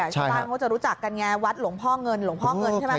ชาวบ้านเขาจะรู้จักกันไงวัดหลวงพ่อเงินหลวงพ่อเงินใช่ไหม